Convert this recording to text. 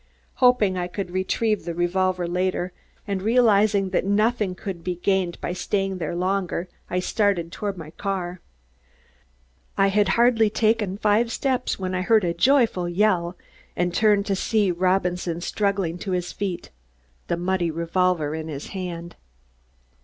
Hoping I could retrieve the revolver later, and realizing that nothing could be gained by staying there longer, I started toward the car. I had hardly taken five steps when I heard a joyful yell and turned to see Robinson struggling to his feet, the muddy revolver in his hand.